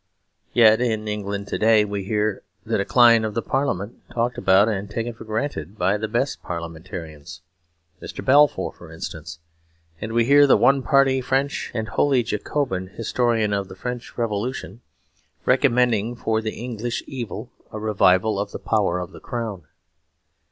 Yet in England to day we hear "the decline of Parliament" talked about and taken for granted by the best Parliamentarians Mr. Balfour, for instance and we hear the one partly French and wholly Jacobin historian of the French Revolution recommending for the English evil a revival of the power of the Crown.